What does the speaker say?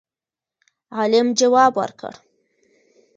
عالم جواب ورکړ